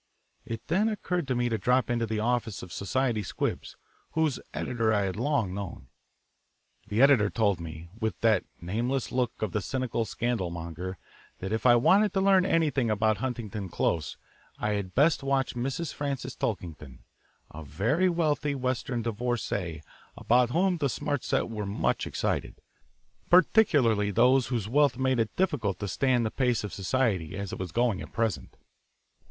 It then occurred to me to drop into the office of Society Squibs, whose editor I had long known. The editor told me, with that nameless look of the cynical scandalmonger, that if I wanted to learn anything about Huntington Close I had best watch Mrs. Frances Tulkington, a very wealthy Western divorcee about whom the smart set were much excited, particularly those whose wealth made it difficult to stand the pace of society as it was going at present.